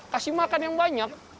kasih makan yang banyak